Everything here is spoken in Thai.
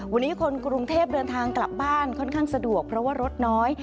วันนี้คนกรุงเทพเดินทางกลับบ้านค่อนข้างสะดวกเพราะว่ารถน้อย